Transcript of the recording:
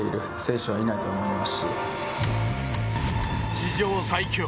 史上最強。